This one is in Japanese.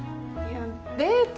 デート？